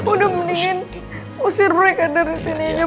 udah mendingan usir mereka dari sini aja